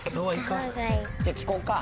じゃあ聞こうか。